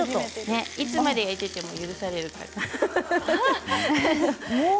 いつまで焼いていても許されるから。